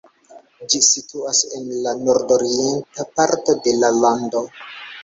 Ĝi situas en la nordorienta parto de la lando.